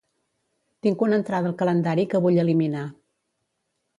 Tinc una entrada al calendari que vull eliminar.